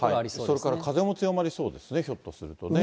それから風も強まりそうですね、ひょっとするとね。